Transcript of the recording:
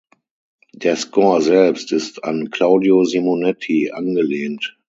Der Score selbst ist an Claudio Simonetti angelehnt.